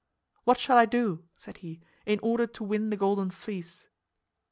"What shall I do," said he, "in order to win the Golden Fleece?"